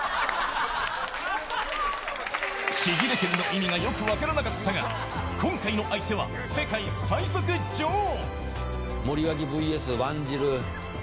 ちぎれているの意味がよく分からなかったが今回の相手は世界最速女王。